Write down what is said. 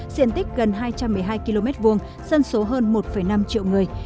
diện tích gần hai trăm một mươi hai km hai dân số hơn một năm triệu người